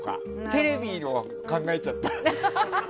テレビを考えちゃった。